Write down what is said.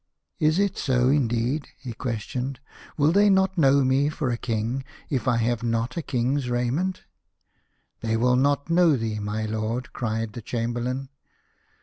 " Is it so, indeed ?" he questioned. "Will they not know me for a king if I have not a king's raiment ?"" T hey will not know thee, my lord," cried the Chamberlain.